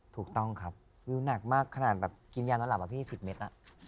ถูกต้องครับวิวหนักมากขนาดแบบกินยานอนหลับอะพี่๑๐เมตร